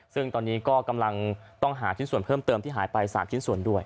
ซึ่งตอนนี้ก็กำลังต้องหาชิ้นส่วนเพิ่มเติมที่หายไป๓ชิ้นส่วนด้วย